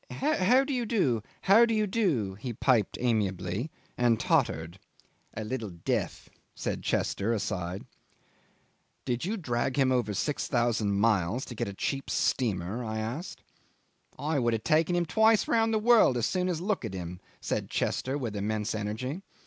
"How do you do? how do you do?" he piped amiably, and tottered. "A little deaf," said Chester aside. "Did you drag him over six thousand miles to get a cheap steamer?" I asked. "I would have taken him twice round the world as soon as look at him," said Chester with immense energy.